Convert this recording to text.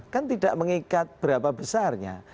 kan tidak mengikat berapa besarnya